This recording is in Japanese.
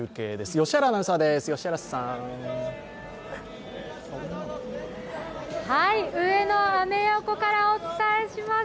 良原アナウンサーです。